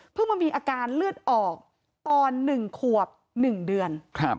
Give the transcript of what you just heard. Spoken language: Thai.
มามีอาการเลือดออกตอน๑ขวบ๑เดือน